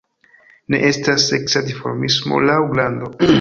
Ne estas seksa dimorfismo laŭ grando.